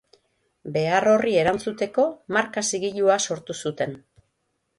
Behar horri erantzuteko marka-zigilua sortu zuten.